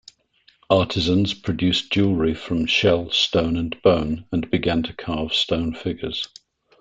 Artisans produced jewelry from shell, stone, and bone, and began to carve stone figures.